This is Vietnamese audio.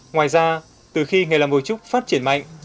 ngoài ra từ khi nghề làm cấu trúc phát triển mạnh